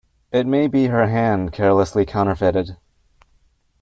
It may be her hand carelessly counterfeited.